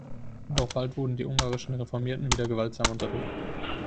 Doch bald wurden die ungarischen Reformierten wieder gewaltsam unterdrückt.